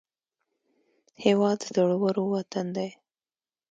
هېواد د زړورو وطن دی